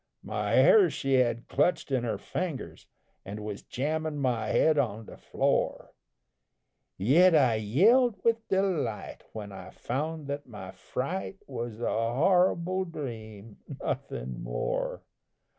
My hair she had clutched in her fingers, An' was jammin' my head on the floor, Yet I yelled with delight when I found that my fright Was a horrible dream, nothin' more.